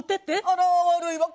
あら、悪いわ。